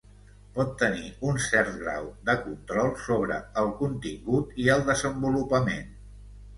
pot tenir un cert grau de control sobre el contingut i el desenvolupament